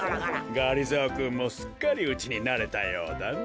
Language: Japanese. がりぞーくんもすっかりうちになれたようだね。